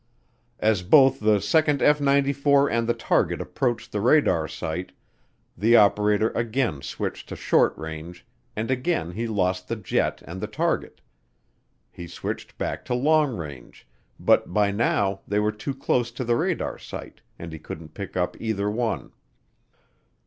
As both the second F 94 and the target approached the radar site, the operator again switched to short range and again he lost the jet and the target. He switched back to long range, but by now they were too close to the radar site and he couldn't pick up either one.